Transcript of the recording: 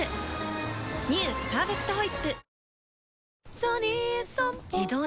「パーフェクトホイップ」